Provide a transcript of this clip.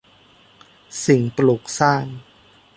สิ่งปลูกสร้าง